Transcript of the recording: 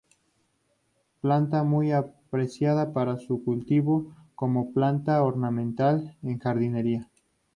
Planta muy apreciada para su cultivo como planta ornamental en jardinería.